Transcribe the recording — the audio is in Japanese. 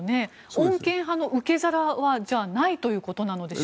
穏健派の受け皿はじゃあ、ないということですか？